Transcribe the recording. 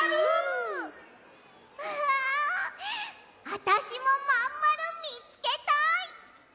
ああたしもまんまるみつけたい！